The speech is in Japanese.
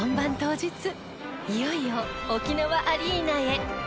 いよいよ沖縄アリーナへ。